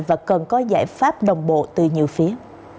và cần có giải pháp đồng bộ từ nhiều phía